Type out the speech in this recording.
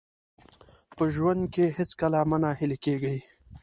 په ژوند کې هېڅکله مه ناهیلي کېږئ.